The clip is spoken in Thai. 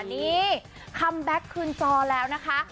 นี่คัมแบ็คคืนจอแล้วนะคะ